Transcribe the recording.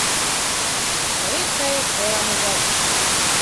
Кает, кает, олам ужат.